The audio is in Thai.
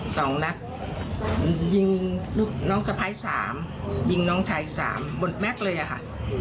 สองนัดยิงลูกน้องสะพ้ายสามยิงน้องชายสามหมดแม็กซ์เลยอะค่ะ